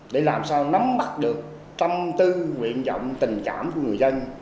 để làm sao nắm mắt được tâm tư nguyện vọng tình cảm của người dân